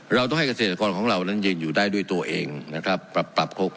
เราต้องให้เกษตรกรของเรานั้นยืนอยู่ได้ด้วยตัวเองนะครับปรับปรับครบ